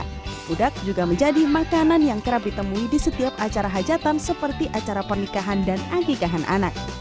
pudak juga menjadi makanan yang kerap ditemui di setiap acara hajatan seperti acara pernikahan dan agikahan anak